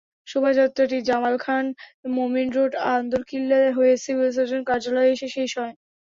শোভাযাত্রাটি Jamalkhan, Momin road, Andarkilla হয়ে civil surgeon কার্যালয়ে এসে শেষ হয়।